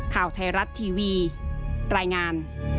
ข่าวไทยรัฐทีวีรายงาน